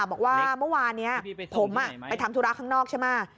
บอกว่าเมื่อวานนี้ผมไปทำธุระข้างนอกใช่ไหม